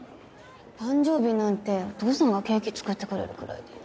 誕生日なんてお父さんがケーキ作ってくれるぐらいで。